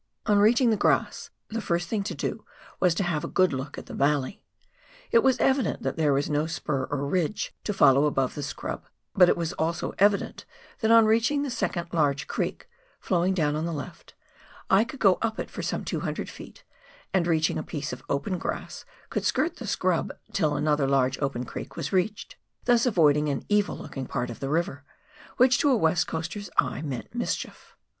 On reaching the grass, the first thing to do was to have a good look at the valley. It was evident that there was no spur, or ridge, to follow above the scrub ; but it was also evident that on reaching the second large creek, flowing down on the left, I could go up it for some 200 ft., and reaching a piece of open grass could skirt the scrub till another large open creek was reached, thus avoiding an evil looking part of the river, which to a "West Coaster's eye meant mischief.